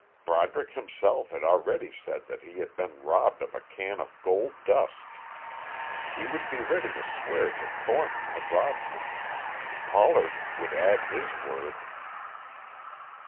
Broderick himself had already said that he had been robbed of a can of gold dust. He would be ready to swear that Thornton had robbed him. Pollard would add his word....